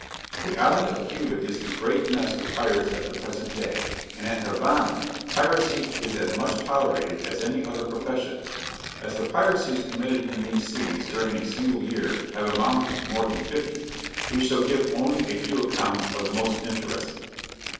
The island of Cuba is the great nest of pirates at the present day, and at the Havana, piracy is as much tolerated as any other profession. As the piracies committed in these seas, during a single year, have amounted to more than fifty, we shall give only a few accounts of the most interesting.